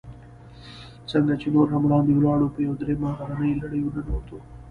څنګه چې نور هم وړاندې ولاړو، په یوه درېیمه غرنۍ لړۍ ورننوتو.